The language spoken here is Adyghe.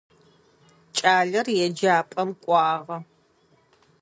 Кӏалэр еджапӏэм кӏуагъэ.